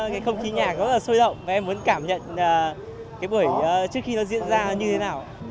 cái không khí nhà rất là sôi động và em muốn cảm nhận cái buổi trước khi nó diễn ra như thế nào